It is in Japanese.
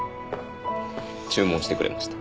注文してくれました。